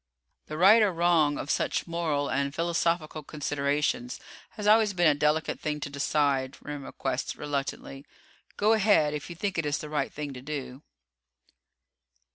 "The right or wrong of such moral and philosophical considerations has always been a delicate thing to decide," Remm acquiesced reluctantly. "Go ahead if you think it is the right thing to do."